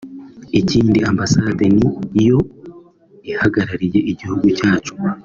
Ikindi Ambassade ni yo ihagarariye igihugu cyacu